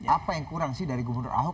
apa yang kurang sih dari gubernur ahok